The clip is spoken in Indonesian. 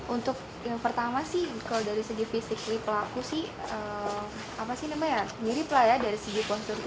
untuk yang pertama sih kalau dari segi fisik pelaku sih mirip lah ya dari segi konstruksinya